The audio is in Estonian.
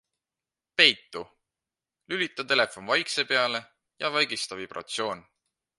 PEITU - lülita telefon vaikse peale ja vaigista vibratsioon.